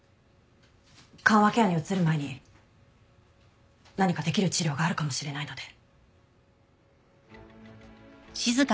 緩和ケアに移る前に何かできる治療があるかもしれないので。